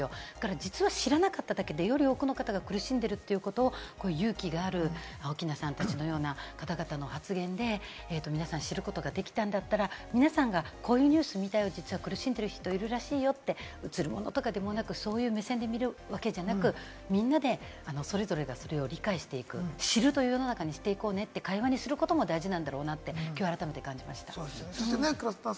実は知らなかっただけで、より多くの方が苦しんでいるということを勇気がある、奥菜さんたちのような方々の発言で、皆さん知ることができたんだったら、皆さんがこういうニュース見たよ、実は苦しんでる人がいるらしいよって、そういう目線で見るわけじゃなく、みんなでそれぞれが、それを理解していく、知ると世の中に知っていこうねって会話にすることも大事なんだろうなと、きょう改めて感じました。